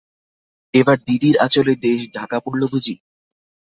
এবার দিদির আঁচলে দেশ ঢাকা পড়ল বুঝি!